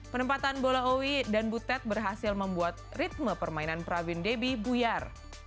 penempatan bola owi dan butet berhasil membuat ritme permainan pravin debbie buyar